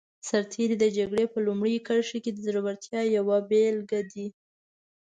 سرتېری د جګړې په لومړي کرښه کې د زړورتیا یوه بېلګه دی.